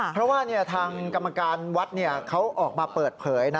เพราะว่าทางกรรมการวัดเขาออกมาเปิดเผย